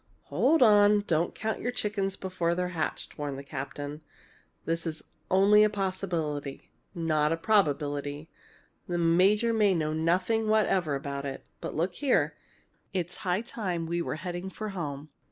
"Hold on! Don't count your chickens before they're hatched!" warned the captain. "This is only a possibility not a probability. The major may know nothing whatever about it. But look here! it's high time we were heading for home.